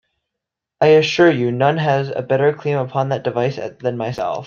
I assure you, none has a better claim upon that device than myself.